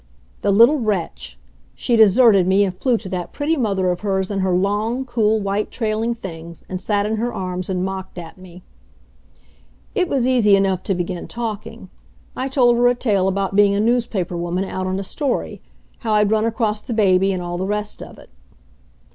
The little wretch! She deserted me and flew to that pretty mother of hers in her long, cool white trailing things, and sat in her arms and mocked at me. It was easy enough to begin talking. I told her a tale about being a newspaper woman out on a story; how I'd run across the baby and all the rest of it.